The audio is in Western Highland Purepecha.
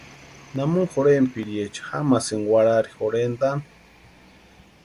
¿Namuni jorhenpiriecha jamasïni warhari jorhentaani?